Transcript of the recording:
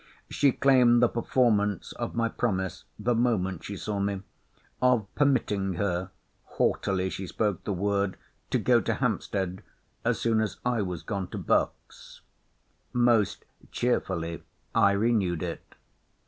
She claimed the performance of my promise, the moment she saw me, of permitting her [haughtily she spoke the word] to go to Hampstead as soon as I was gone to Berks. Most cheerfully I renewed it.